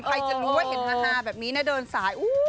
ใครจะรู้ว่าเห็นฮาแบบนี้นะเดินสาย